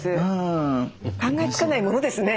考えつかないものですね。